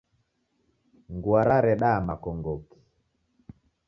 Ngua raredaa makongoki?